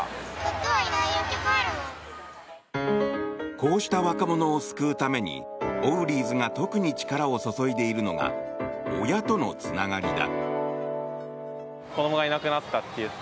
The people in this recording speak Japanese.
こうした若者を救うためにオウリーズが特に力を注いでいるのが親とのつながりだ。